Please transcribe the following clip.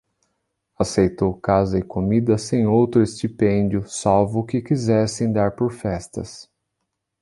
aceitou casa e comida sem outro estipêndio, salvo o que quisessem dar por festas.